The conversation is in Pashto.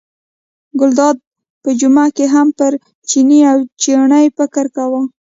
ګلداد په جمعه کې هم پر چیني او چڼي فکر کاوه.